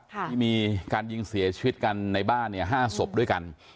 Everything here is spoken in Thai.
ที่มีการยิงเสียชีวิตกันในบ้านเนี่ย๕ศพด้วยกัน